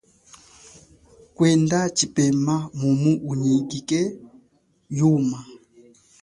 Kwenda tshipema mumu unyike yuma.